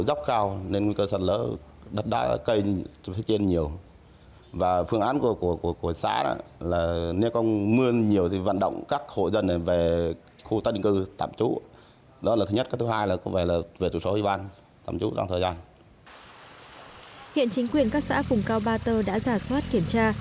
hiện chính quyền các xã vùng cao ba tơ đã giả soát kiểm tra